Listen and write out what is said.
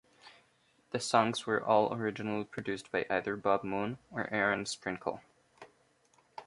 The songs were all originally produced by either Bob Moon or Aaron Sprinkle.